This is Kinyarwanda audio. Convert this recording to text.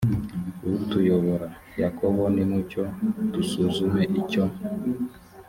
utuyobora yakobo nimucyo dusuzume icyo